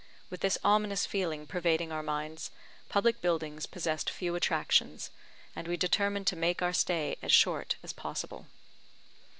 With this ominous feeling pervading our minds, public buildings possessed few attractions, and we determined to make our stay as short as possible.